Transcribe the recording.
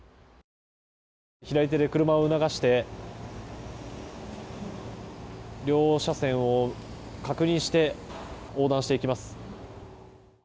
左手で車を促して両車線を確認して横断していきます。